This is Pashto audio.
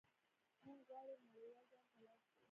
موږ غواړو نړیوال جام ته لاړ شو.